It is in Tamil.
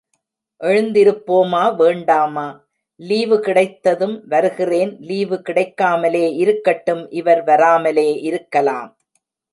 எழுந்திருப்போமா, வேண்டாமா? லீவு கிடைத்ததும் வருகிறேன். லீவு கிடைக்காமலே இருக்கட்டும் இவர் வராமலே இருக்கலாம்.